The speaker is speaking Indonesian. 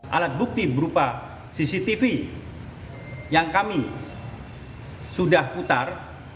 alat bukti berupa cctv yang kami sudah putar